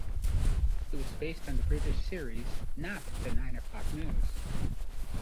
It was based on the British series, "Not the Nine O'Clock News".